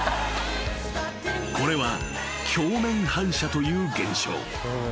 ［これは鏡面反射という現象］